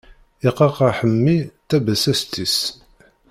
Iqaqqaḥ mmi tabasast-is.